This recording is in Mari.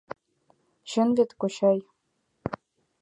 Чын вет, кочай?